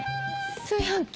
炊飯器？